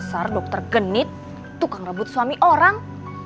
sar dokter genit tukang rebut suami orang